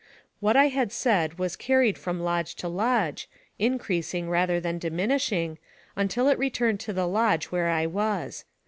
What I had said was carried from lodge to lodge, increasing rather than di minishing, until it returned to the lodge where I was.